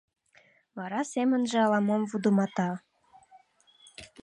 Вара семынже ала-мом вудымата.